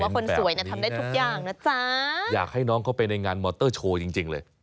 คนสวยทำได้ทุกอย่างนะจ๊ะอยากให้น้องเข้าไปในงานมอเตอร์โชว์จริงเลย